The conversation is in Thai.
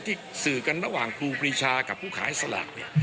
ที่สื่อกันระหว่างครูปรีชากับผู้ขายสลาก